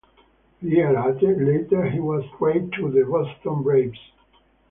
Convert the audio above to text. A year later, he was traded to the Boston Braves.